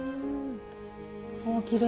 あきれい。